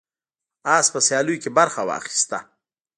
اس په سیالیو کې برخه اخیسته.